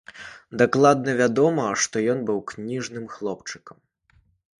Дакладна вядома, што ён быў кніжным хлопчыкам.